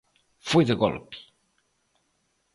Foi de golpe.